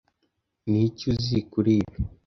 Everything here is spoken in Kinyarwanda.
Niki uzi kuri ibi?